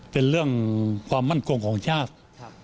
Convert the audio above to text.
เป็นเรื่องความมั่นคงของชาติ